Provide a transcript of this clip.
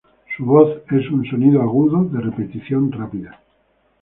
Su voz es en sonido agudo, de repetición rápida.